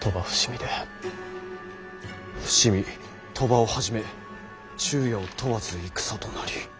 「伏見鳥羽をはじめ昼夜を問わず戦となり」。